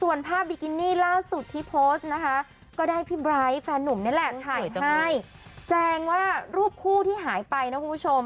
ว่าเราก็เป็นแบบไหนใช่ไหม